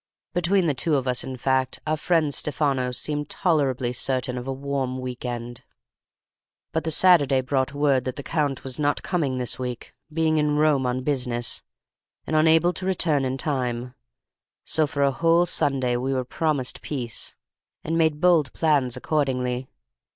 Between the two of us, in fact, our friend Stefano seemed tolerably certain of a warm week end. "But the Saturday brought word that the Count was not coming this week, being in Rome on business, and unable to return in time; so for a whole Sunday we were promised peace; and made bold plans accordingly.